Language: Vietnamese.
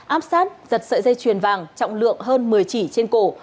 áp sát giật sợi dây chuyền vàng trọng lượng hơn một mươi chỉ trên cổ